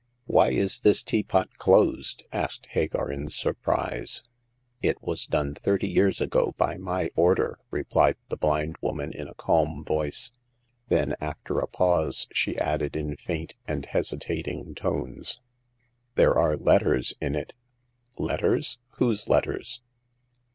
" Why is this teapot closed ?" asked Hagar in surprise. It was done thirty years ago by my order," replied the blind woman, in a calm voice ; then, after a pause, she added in faint and hestitating tones :There are letters in it." " Letters ? Whose letters